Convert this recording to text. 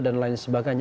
dan lain sebagainya